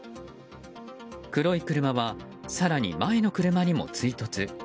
黒い車は、更に前の車にも追突。